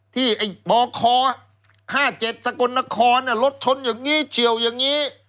ไอ้บค๕๗สกลนครรถชนอย่างนี้เฉียวอย่างนี้